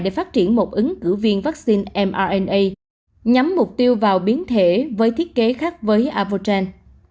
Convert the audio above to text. để phát triển một ứng cử viên vaccine mrna nhắm mục tiêu vào biến thể với thiết kế khác với avochen